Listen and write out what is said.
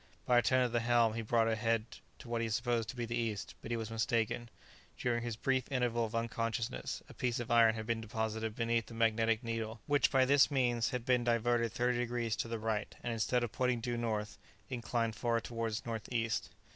By a turn of the helm he brought her head to what he supposed to be the east. But he was mistaken. During his brief interval of unconsciousness a piece of iron had been deposited beneath the magnetic needle, which by this means had been diverted thirty degrees to the right, and, instead of pointing due north, inclined far towards north east.